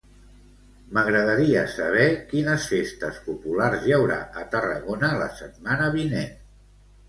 M'agradaria saber quines festes populars hi haurà a Tarragona la setmana vinent.